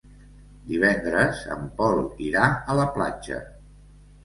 Divendres en Pol irà a la platja.